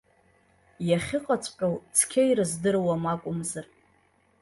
Иахьыҟаҵәҟьоу цқьа ирыздыруам акәымзар.